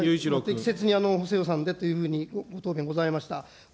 適切に補正予算でというふうにご答弁ございました。